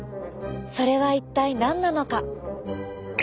それは一体何なのか。